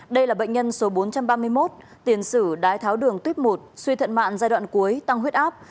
đây là bệnh nhân số bốn trăm ba mươi một tiền sử đái tháo đường tuyếp một suy thận mạng giai đoạn cuối tăng huyết áp